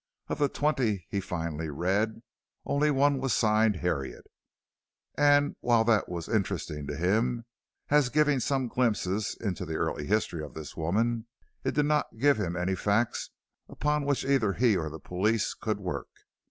Of the twenty he finally read, only one was signed Harriet, and while that was very interesting to him, as giving some glimpses into the early history of this woman, it did not give him any facts upon which either he or the police could work.